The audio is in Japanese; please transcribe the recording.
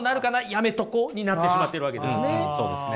やめとこうになってしまっているわけですね。